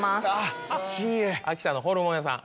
秋田のホルモン屋さん。